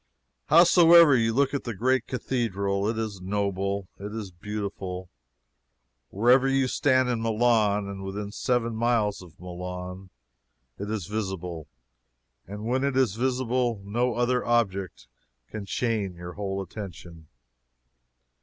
Howsoever you look at the great cathedral, it is noble, it is beautiful! Wherever you stand in Milan or within seven miles of Milan, it is visible and when it is visible, no other object can chain your whole attention.